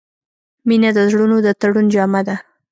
• مینه د زړونو د تړون جامه ده.